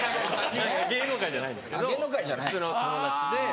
芸能界じゃないですけど普通の友達で。